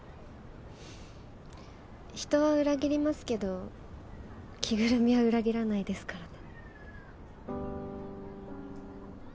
人は裏切りますけど着ぐるみは裏切らないですからね。